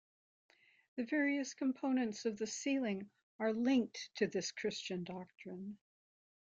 The various components of the ceiling are linked to this Christian doctrine.